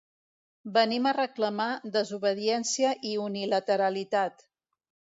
Venim a reclamar desobediència i unilateralitat.